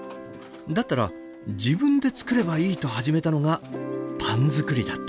だったら自分で作ればいいと始めたのがパン作りだった。